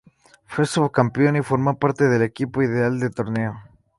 Fue subcampeón y formó parte del equipo ideal del torneo.